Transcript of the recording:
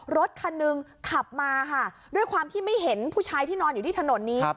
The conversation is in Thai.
รถคันหนึ่งขับมาค่ะด้วยความที่ไม่เห็นผู้ชายที่นอนอยู่ที่ถนนนี้